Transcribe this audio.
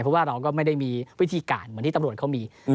เพราะว่าเราก็ไม่ได้มีวิธีการเหมือนที่ตำรวจเขามี